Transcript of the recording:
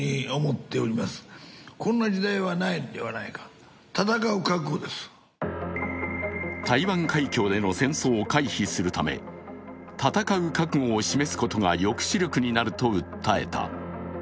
そして、講演で麻生氏は台湾海峡での戦争を回避するため戦う覚悟を示すことが抑止力になると訴えた。